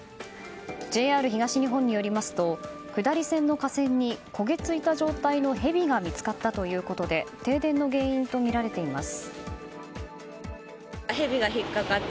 ＪＲ東日本によりますと下り線の架線に焦げ付いた状態のヘビが見つかったということで停電の原因とみられています。